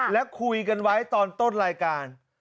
และคุยกันไว้ตอนต้นรายการ